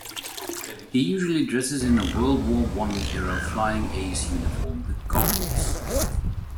He usually dresses in a World War One-era flying ace uniform with goggles.